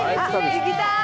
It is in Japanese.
行きたい！